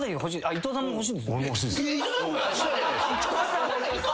伊藤さんも欲しいんですよね。